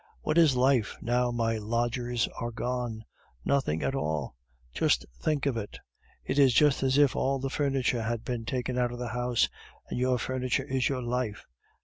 What is life, now my lodgers are gone? Nothing at all. Just think of it! It is just as if all the furniture had been taken out of the house, and your furniture is your life.